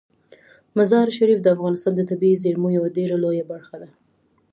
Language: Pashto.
مزارشریف د افغانستان د طبیعي زیرمو یوه ډیره لویه برخه ده.